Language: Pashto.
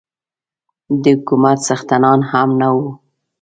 د حکومت څښتنان هم نه وو.